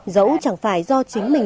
dẫu chẳng phải do chính mình